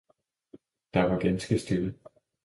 Der var ganske stille.